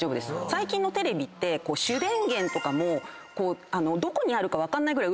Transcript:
最近のテレビって主電源とかもどこにあるか分かんないぐらい